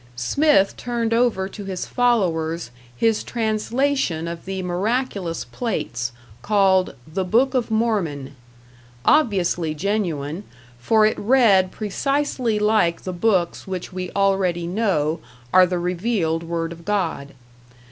Smith turned over to his followers his translation of the miraculous plates, called "The Book of Mormon"; obviously genuine, for it read precisely like the books which we already know are the revealed word of God.